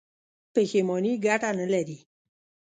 پښیماني ګټه نلري.